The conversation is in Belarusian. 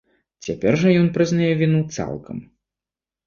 Цяпер жа ён прызнае віну цалкам.